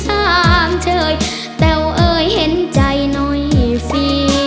ถามเฉยแต่ว่าเอ่ยเห็นใจหน่อยสิ